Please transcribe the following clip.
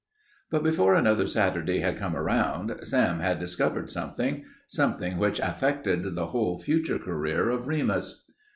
But before another Saturday had come around, Sam had discovered something something which affected the whole future career of Remus.